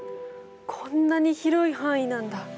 こんなに広い範囲なんだ。